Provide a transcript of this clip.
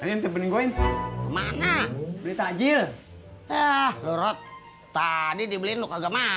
ini temen gue mana beli tajil ah lurut tadi dibeliin lu kagak mau